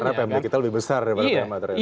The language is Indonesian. karena pmd kita lebih besar daripada pma terakhir